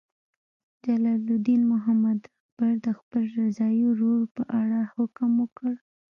جلال الدین محمد اکبر د خپل رضاعي ورور په اړه حکم وکړ.